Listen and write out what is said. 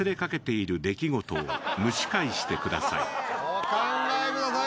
お考えください。